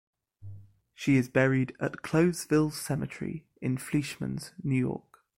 She is buried at Clovesville Cemetery in Fleischmanns, New York.